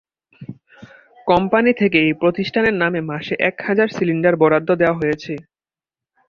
Company থেকে এই প্রতিষ্ঠানের নামে মাসে এক হাজার সিলিন্ডার বরাদ্দ দেওয়া হয়েছে।